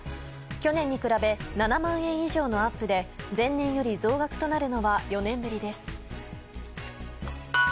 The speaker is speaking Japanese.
去年に比べ７万円以上のアップで前年より増額となるのは４年ぶりです。